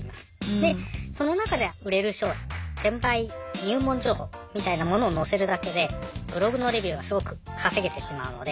でその中で売れる商品転売入門情報みたいなものを載せるだけでブログのレビューがすごく稼げてしまうので。